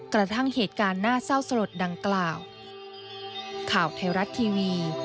กระทั่งเหตุการณ์น่าเศร้าสลดดังกล่าว